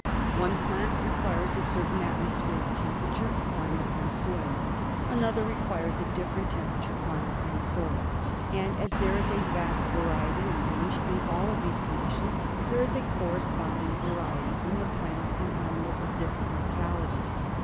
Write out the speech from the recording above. Ope plant requires a certain atmospheric temperature, climate and soil; another requires a different temperature, climate and soil. And as there is a vast variety and range in all of these conditions there is a corresponding variety in the plants and animals of different localities.